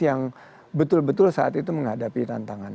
yang betul betul saat itu menghadapi tantangan